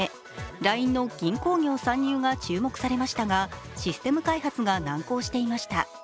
ＬＩＮＥの銀行業参入が注目されましたが、システム開発が難航していました。